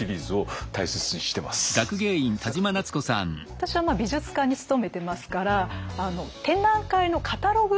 私は美術館に勤めてますから展覧会のカタログ。